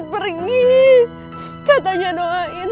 pergi katanya doain